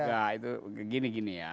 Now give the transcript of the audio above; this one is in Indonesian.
enggak itu gini gini ya